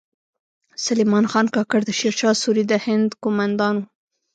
سلیمان خان کاکړ د شیر شاه سوري د هند کومندان و